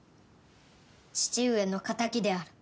父上の敵である。